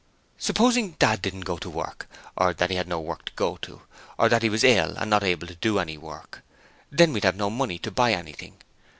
'Supposing Dad didn't go to work, or that he had no work to go to, or that he was ill and not able to do any work, then we'd have no money to buy anything.